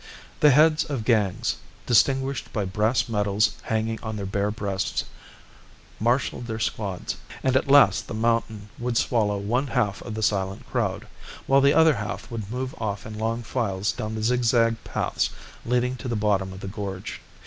The heads of gangs, distinguished by brass medals hanging on their bare breasts, marshalled their squads; and at last the mountain would swallow one half of the silent crowd, while the other half would move off in long files down the zigzag paths leading to the bottom of the gorge.